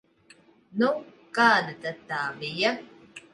Nu, kāda tad tā bija?